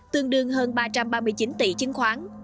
tương đương hơn ba trăm ba mươi chín tỷ đồng